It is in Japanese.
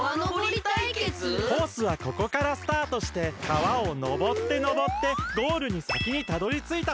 コースはここからスタートして川をのぼってのぼってゴールにさきにたどりついたほうがかちだ。